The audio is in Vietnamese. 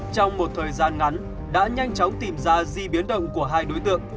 trong một thời gian ngắn đã nhanh chóng tìm ra di biến động của hai đối tượng